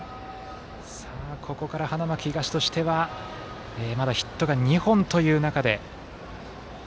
ここから花巻東としてはまだヒットが２本という中で。